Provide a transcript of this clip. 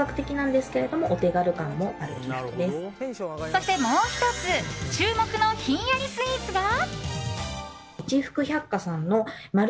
そしてもう１つ注目のひんやりスイーツが。